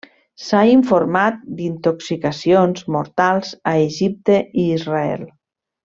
S'ha informat d'intoxicacions mortals a Egipte i Israel.